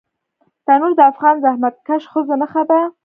تنور د افغان زحمتکښ ښځو نښه ده